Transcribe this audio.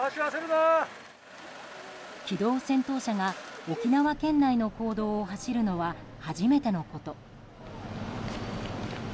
機動戦闘車が沖縄県内の公道を走るのは初めてのこと。